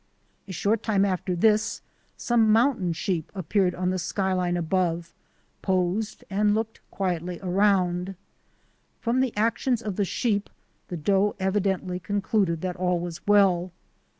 A short time after this some mountain sheep appeared on the skyline above, posed, and looked quietly around. From the actions of the sheep the doe evidently concluded that all was well.